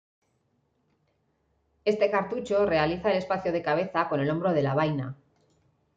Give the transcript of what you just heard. Este cartucho realiza el espacio de cabeza con el hombro de la vaina.